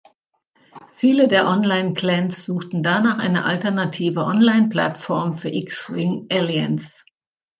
Viele der Online-Clans suchten danach eine alternative Online-Plattform für X-Wing Alliance.